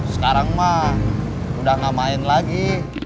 sekarang mah udah gak main lagi